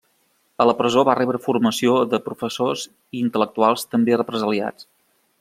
A la presó va rebre formació de professors i intel·lectuals també represaliats.